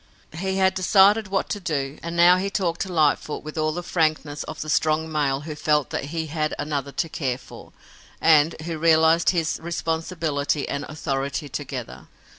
He had decided what to do, and now he talked to Lightfoot with all the frankness of the strong male who felt that he had another to care for, and who realized his responsibility and authority together.